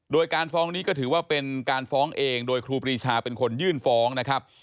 โดยการฟ้องนี้ก็ถือว่าเป็นการฟ้องเองโดยครูปรีชาเป็นคนยื่นฟ้องนะครับ